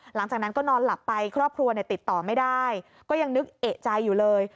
หลังจากนั้นก็นอนหลับไปครอบครัวเนี่ยติดต่อไม่ได้ก็ยังนึกเอกใจอยู่เลย